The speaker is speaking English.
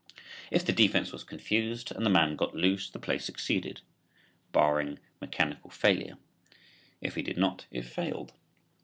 If the defense was confused and the man got loose, the play succeeded (barring mechanical failure); if he did not it failed.